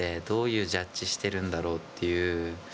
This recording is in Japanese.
どういうジャッジしているんだろうという。